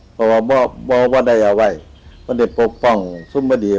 เพราะว่าบอกว่าได้เอาไว้เพราะได้ปกป้องสุมฤทธิ์